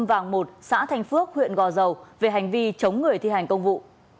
bảng một xã thành phước huyện gò dầu về hành vi chống người thi hành công vụ